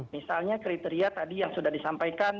misalnya kriteria tadi yang sudah disampaikan